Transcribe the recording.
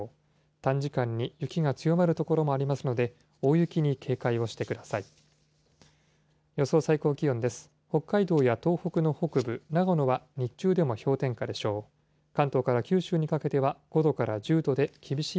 短時間に雪が強まる所もありますので、大雪に警戒をしてください。